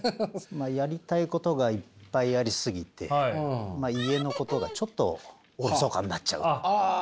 まあやりたいことがいっぱいありすぎてまあ家のことがちょっとおろそかになっちゃうですかね。